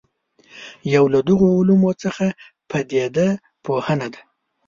یو له دغو علومو څخه پدیده پوهنه ده.